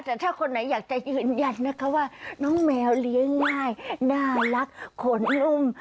แต่ถ้าคนไหนอยากจะยืนยันนะคะว่าน้องแมวเลี้ยงง่ายน่ารักขนนุ่ม